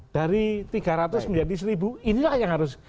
dari tiga ratus menjadi seribu inilah yang harus